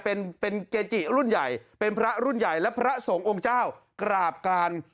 เป็นเป็นเกจิรุ่นใหญ่เป็นพระรุ่นใหญ่และพระสงฆ์องค์เจ้ากราบกราน